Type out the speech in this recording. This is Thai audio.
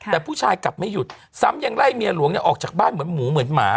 แต่ผู้ชายกลับไม่หยุดซ้ำยังไล่เมียหลวงเนี่ยออกจากบ้านเหมือนหมูเหมือนหมา